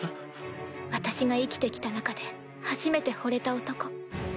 私が生きて来た中で初めてほれた男。